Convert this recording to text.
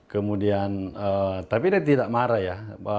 kemudian tapi dia tidak marah ya